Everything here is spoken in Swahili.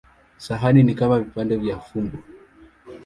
Sahani ni kama vipande vya fumbo.